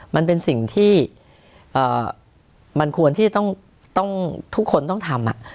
มันเป็นสิ่งที่ทุกคนต้องทำ